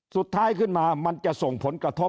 สุดท้ายขึ้นมามันจะส่งผลกระทบ